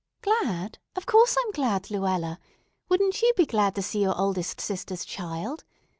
"Glad; of course I'm glad, Luella. Wouldn't you be glad to see your oldest sister's child?